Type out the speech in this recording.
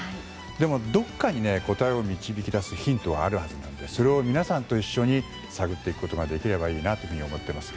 でも、どこかに答えを導き出すヒントはあるはずなのでそれを皆さんと一緒に探っていくことができればいいなと思っています。